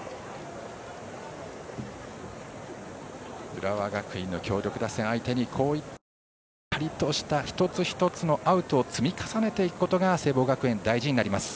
浦和学院の強力打線相手にこういった、しっかりとした一つ一つのアウトを積み重ねていくことが聖望学園、大事になります。